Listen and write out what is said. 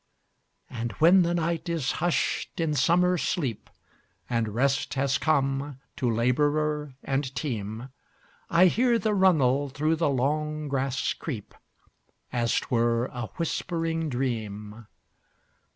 And when the night is hush'd in summer sleep, And rest has come to laborer and team,I hear the runnel through the long grass creep, As 't were a whispering dream.